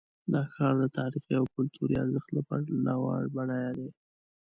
دا ښار د تاریخي او کلتوري ارزښت له پلوه بډایه دی.